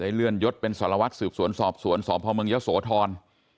ได้เลื่อนยดเป็นสารวัฒน์สืบสวนสอบสวนสอบพ่อเมืองเยอะโสธร